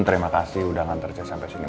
terima kasih udah nganterin sampai sini